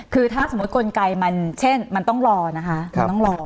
คือถ้าสมมุติกลไกมันเช่นมันต้องรอนะคะมันต้องรอ